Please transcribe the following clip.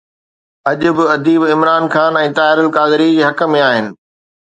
اڄ به اديب عمران خان ۽ طاهر القادري جي حق ۾ آهن.